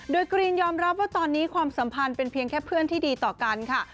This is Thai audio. โดยกรีนยอมรับว่าตอนนี้ความสัมพันธ์เป็นเพียงแค่เพื่อนที่ดีต่อกันค่ะ